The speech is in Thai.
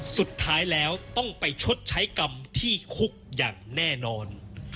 สุดท้ายแล้วต้องไปชดใช้กรรมที่คุกอย่างแน่นอน